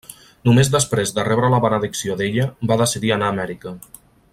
Només després de rebre la benedicció d'ella, va decidir anar a Amèrica.